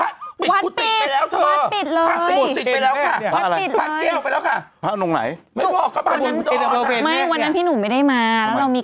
เดี๋ยวบอกแล้วจะกลายเหมือนตอนนี้